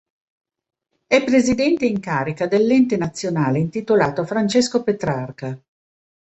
È presidente in carica dell'Ente nazionale intitolato a Francesco Petrarca.